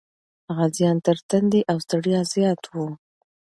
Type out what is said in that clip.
غازيان تر تندې او ستړیا زیات و.